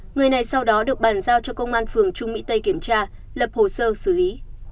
người này sau đó được bàn giao cho công an phường trung mỹ tây kiểm tra lập hồ sơ xử lý